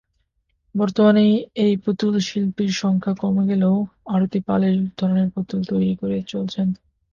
বর্তমানে এই পুতুল শিল্পীর সংখ্যা কমে গেলেও আরতি পাল এই ধরনের পুতুল তৈরি করে চলেছেন।